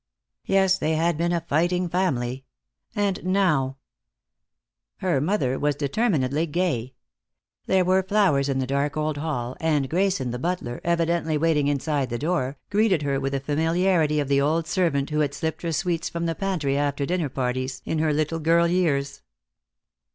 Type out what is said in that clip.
Yes, they had been a fighting family. And now Her mother was determinedly gay. There were flowers in the dark old hall, and Grayson, the butler, evidently waiting inside the door, greeted her with the familiarity of the old servant who had slipped her sweets from the pantry after dinner parties in her little girl years.